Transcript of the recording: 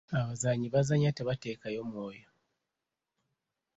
Abazannyi bazannya tebateekayo mwoyo.